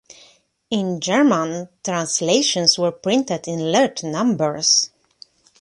In German, translations were printed in large numbers.